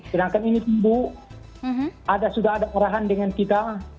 sedangkan ini bu sudah ada perahan dengan kita